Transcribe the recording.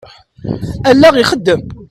Allaɣ ixeddem.